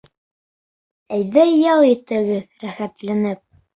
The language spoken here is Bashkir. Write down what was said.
Әйҙә ял итегеҙ рәхәтләнеп.